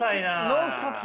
ノンストップ。